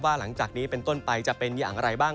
หลังจากนี้เป็นต้นไปจะเป็นอย่างไรบ้าง